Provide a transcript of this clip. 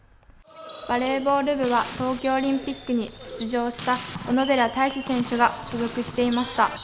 バレーボール部は東京オリンピックに出場した小野寺太志選手が所属していました。